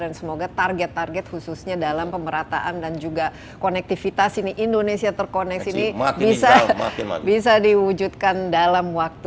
dan semoga target target khususnya dalam pemerataan dan juga konektivitas ini indonesia terkoneksi ini bisa diwujudkan dalam waktu